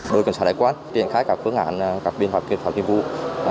đội cảnh sát đại quan triển khai các phương án các biện pháp nghiệp hoặc biện pháp nghiệp vụ